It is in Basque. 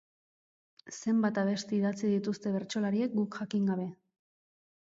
Zenbat abesti idatzi dituzte bertsolariek guk jakin gabe.